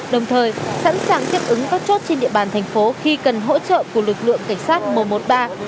đồng thời sẵn sàng tiếp ứng các chốt trên địa bàn thành phố khi cần hỗ trợ của lực lượng cảnh sát một trăm một mươi ba